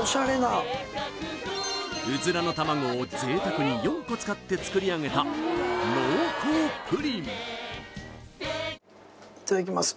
オシャレなうずらの卵を贅沢に４個使って作り上げた濃厚プリンいただきます